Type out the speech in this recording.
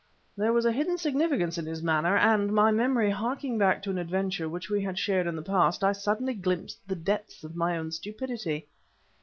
There was a hidden significance in his manner, and, my memory harking back to an adventure which we had shared in the past, I suddenly glimpsed the depths of my own stupidity.